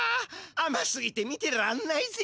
あますぎて見てらんないぜ！